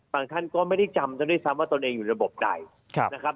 ท่านก็ไม่ได้จำซะด้วยซ้ำว่าตนเองอยู่ระบบใดนะครับ